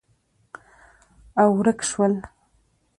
او، ورک شول